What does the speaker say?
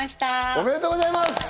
おめでとうございます！